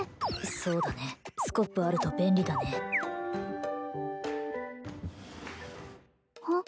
そうだねスコップあると便利だねうん？